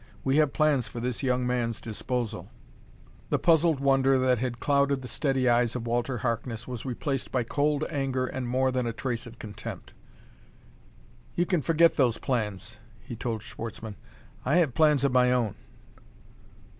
We have plans for this young man's disposal." The puzzled wonder that had clouded the steady eyes of Walter Harkness was replaced by cold anger and more than a trace of contempt. "You can forget those plans," he told Schwartzmann. "I have plans of my own."